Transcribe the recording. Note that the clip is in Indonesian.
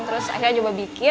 terus akhirnya coba bikin